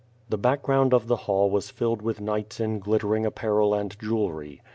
The background of the hall was filled with knights in glit tering apparel and jewelry.